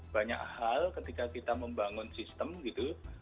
banyak hal ketika kita membangun sistem gitu